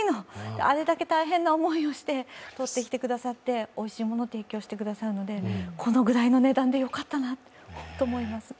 あれだけ大変な思いをしてとってきてくださっておいしいもの提供してくださるので、このぐらいの値段でよかったなと思います。